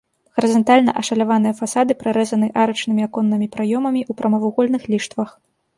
Гарызантальна ашаляваныя фасады прарэзаны арачнымі аконнымі праёмамі ў прамавугольных ліштвах.